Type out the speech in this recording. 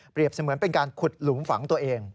เสมือนเป็นการขุดหลุมฝังตัวเอง